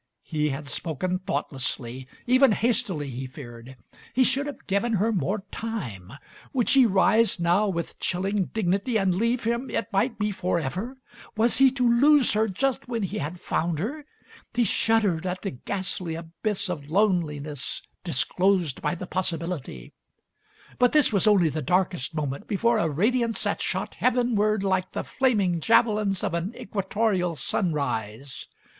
He had spoken thoughtlessly, even hastily, he feared; he should have given her more time. Would she rise now with chilling dignity and leave him, it might be forever? Was he to lose her just when he had found her? He shuddered at the Digitized by Google MARY SMITH 151 ghastly abyss of loneliness disclosed by the possi bility. But this was only the darkest moment before a radiance that shot heavenward like the flam ing javelins of an equatorial sunrise.